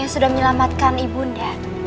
yang sudah menyelamatkan ibu bunda